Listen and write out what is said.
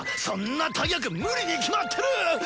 そんな大役無理に決まってる！